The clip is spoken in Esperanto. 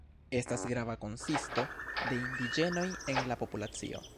Estas grava konsisto de indiĝenoj en la populacio.